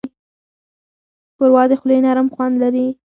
ښوروا د خولې نرم خوند لري.